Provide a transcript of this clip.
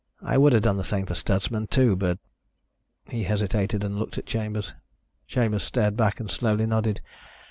I would have done the same for Stutsman, too, but ..." He hesitated and looked at Chambers. Chambers stared back and slowly nodded.